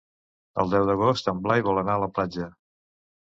El deu d'agost en Blai vol anar a la platja.